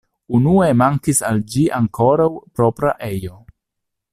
Unue mankis al ĝi ankoraŭ propra ejo.